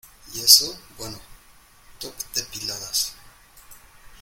¿ y eso? bueno, top depiladas.